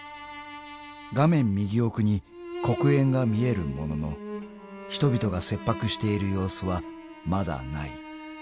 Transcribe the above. ［画面右奥に黒煙が見えるものの人々が切迫している様子はまだない］